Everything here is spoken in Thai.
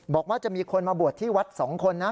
บอกว่าจะมีคนมาบวชที่วัด๒คนนะ